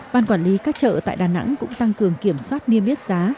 ban quản lý các chợ tại đà nẵng cũng tăng cường kiểm soát niêm yết giá